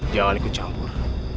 jangan ikut campur